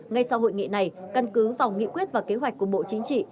ngay sau hội nghị này căn cứ vào nghị quyết và kế hoạch của bộ chính trị